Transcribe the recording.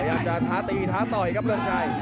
ยาจะท้าตีท้าต่อยครับเรืองไก่